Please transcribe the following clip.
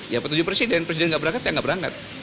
ya petunjuk presiden presiden gak berangkat saya gak berangkat